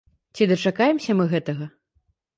Ці дачакаемся мы гэтага?